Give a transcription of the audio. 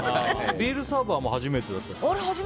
ビールサーバーも初めてだったんですか？